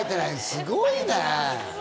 すごいね。